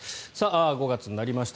５月になりました。